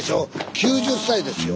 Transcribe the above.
９０歳ですよ。